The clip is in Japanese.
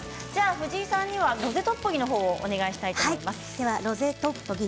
藤井さんにはロゼトッポギをお願いします。